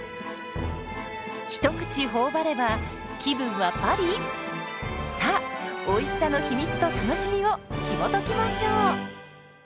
一口頬張れば気分はパリ⁉さあおいしさの秘密と楽しみをひもときましょう。